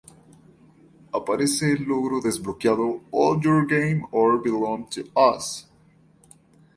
Aparece el Logro Desbloqueado: "All your game are belong to us"